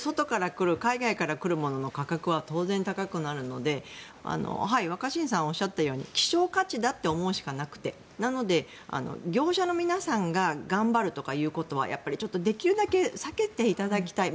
外から来る海外から来るものの価格は当然、高くなるので若新さんがおっしゃったように希少価値だと思うしかなくてなので、業者の皆さんが頑張るということだけはやっぱりちょっとできるだけ避けていただきたい。